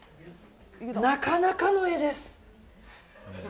なかなかの画です。